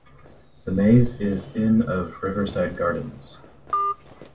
The maze is in of riverside gardens.